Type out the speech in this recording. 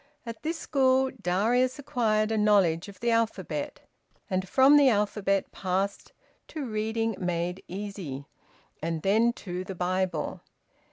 At this school Darius acquired a knowledge of the alphabet, and from the alphabet passed to Reading Made Easy, and then to the Bible.